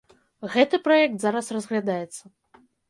Гэты праект зараз разглядаецца.